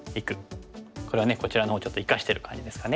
これはねこちらのほうちょっと生かしてる感じですかね。